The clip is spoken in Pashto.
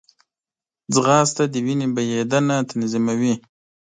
ځغاسته د وینې بهېدنه تنظیموي